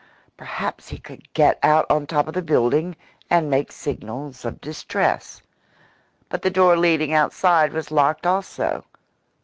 Perhaps he could get out on top of the building and make signals of distress. But the door leading outside was locked also.